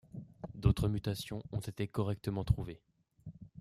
D'autres mutations ont été correctement trouvées.